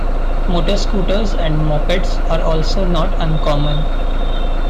Motorscooters and mopeds are also not uncommon.